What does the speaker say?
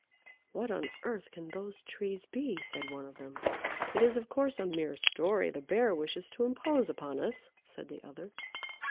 "What on earth can those Trees be?" said one of them. "It is, of course, a mere story; the Bear wishes to impose upon us," said the other.